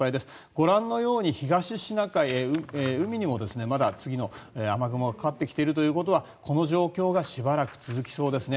ご覧のように東シナ海、海にもまだ次の雨雲がかかってきているということはこの状況がしばらく続きそうですね。